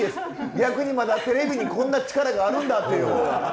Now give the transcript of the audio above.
逆にまだテレビにこんな力があるんだっていうほうが。